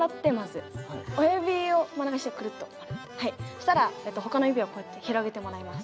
したら他の指をこうやって広げてもらいます。